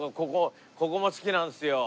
ここも好きなんですよ。